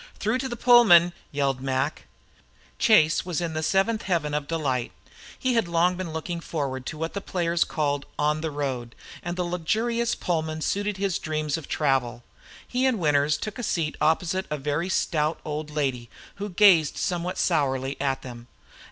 "Through to the Pullman!" yelled Mac. Chase was in the seventh heaven of delight. He had long been looking forward to what the players called "on the road." and the luxurious Pullman suited his dreams of travel. He and Winters took a seat opposite a very stout old lady who gazed somewhat sourly at them.